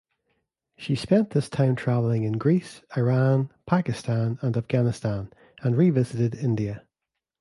She spent this time travelling in Greece, Iran, Pakistan, and Afghanistan and revisited India.